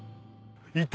いた。